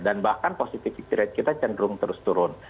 dan bahkan positivity rate kita cenderung terus turun